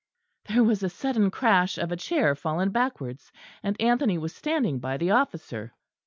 There was a sudden crash of a chair fallen backwards, and Anthony was standing by the officer.